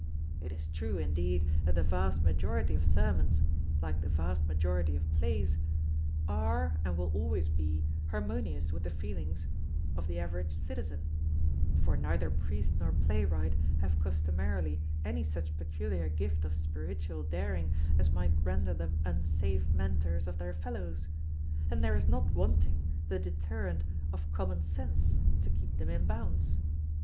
It is true, indeed, that the vast majority of sermons (like the vast majority of plays) are, and will always be, harmonious with the feelings—of the average citizen; for neither priest nor playwright have customarily any such peculiar gift of spiritual daring as might render them unsafe mentors of their fellows; and there is not wanting the deterrent of common sense to keep them in bounds.